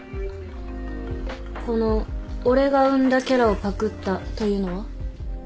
この「俺が生んだキャラをパクった」というのは？